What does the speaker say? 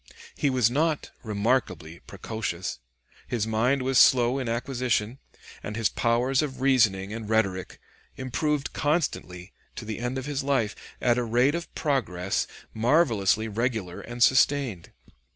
He was not remarkably precocious. His mind was slow in acquisition, and his powers of reasoning and rhetoric improved constantly to the end of his life, at a rate of progress marvelously regular and sustained.